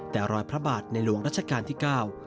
แต่รอยพระบาทในหลวงรัชกาลที่เก้า